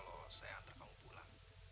loh kata pamela